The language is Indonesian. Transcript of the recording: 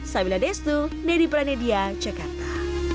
saya mila destu dari pranidia jakarta